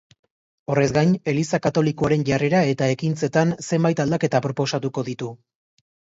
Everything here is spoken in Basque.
Horrez gain, eliza katolikoaren jarrera eta ekintzetan zenbait aldaketa proposatuko ditu.